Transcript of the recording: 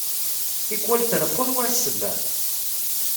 Tikkwal treffuḍ war ssebba?